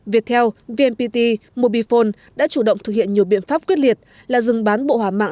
việt theo vnpt mobifone đã chủ động thực hiện nhiều biện pháp quyết liệt là dừng bán bộ hòa mạng